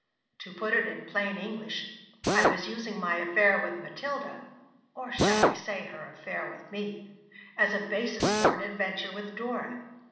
To put it in plain English, I was using my affair with Matilda (or shall I say her affair with me?) as a basis for an adventure with Dora.